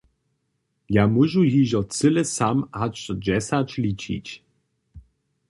Ja móžu hižo cyle sam hač do dźesać ličić.